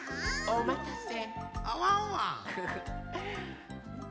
おまたせ！